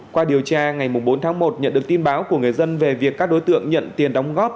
qua điều tra ngày bốn tháng một nhận được tin báo của người dân về việc các đối tượng nhận tiền đóng góp